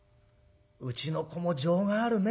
うちの子も情があるね。